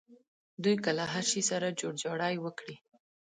دوی که له هر شي سره جوړجاړی وکړي.